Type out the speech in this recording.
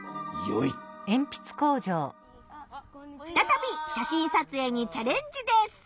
ふたたび写真撮影にチャレンジです！